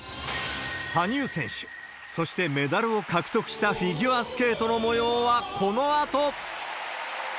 羽生選手、そしてメダルを獲得したフィギュアスケートのもようはこのあと。